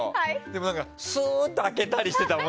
でも、すーっと空けたりしてたの。